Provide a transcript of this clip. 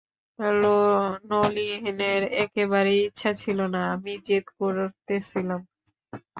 নলিনের একেবারেই ইচ্ছা ছিল না, আমিই জেদ করিতেছিলাম।